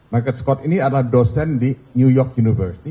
marketscode ini adalah dosen di new york university